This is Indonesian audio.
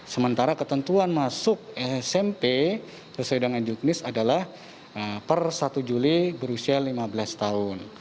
sementara ketentuan masuk smp sesuai dengan juknis adalah per satu juli berusia lima belas tahun